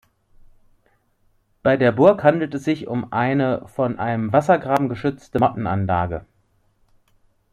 Bei der Burg handelte es sich um eine von einem Wassergraben geschützte Mottenanlage.